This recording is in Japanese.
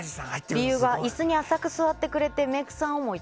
理由は椅子に浅く座ってくれてメイクさん思い。